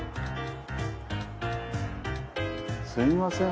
すみません。